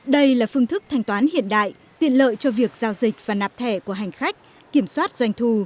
đây là phương thức thanh toán hiện đại tiện lợi cho việc giao dịch và nạp thẻ của hành khách kiểm soát doanh thù